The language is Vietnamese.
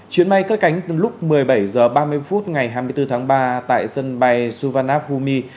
chuyến bay cất cánh lúc một mươi bảy h ba mươi phút ngày hai mươi bốn tháng ba tại dân bay suvarnabhumi